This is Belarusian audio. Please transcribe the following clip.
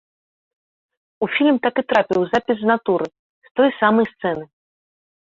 У фільм так і трапіў запіс з натуры, з той самай сцэны.